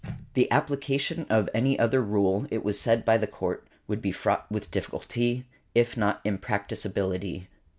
The application of any other rule, it was said by the Court, would be fraught with difficulty, if not impracticability.